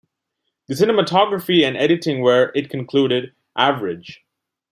The cinematography and editing were, it concluded, average.